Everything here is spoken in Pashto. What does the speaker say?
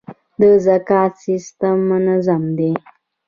د زکات سیستم منظم دی؟